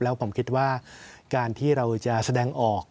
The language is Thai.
แล้วผมคิดว่าการที่เราจะแสดงออก